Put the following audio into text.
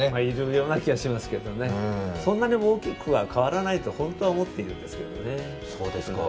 いるような気がしますけどね、そんなに大きくは変わらないと本当は思っているんですけれどもね。